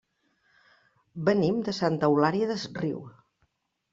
Venim de Santa Eulària des Riu.